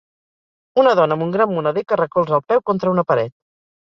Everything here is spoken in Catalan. Una dona amb un gran moneder que recolza el peu contra una paret.